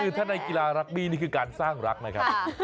คือถ้าในกีฬารักบี้นี่คือการสร้างรักนะครับ